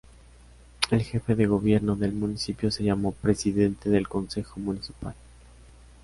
El jefe de gobierno del municipio se llamó Presidente del Concejo Municipal.